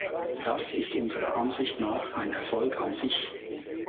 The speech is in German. Das ist unserer Ansicht nach ein Erfolg an sich.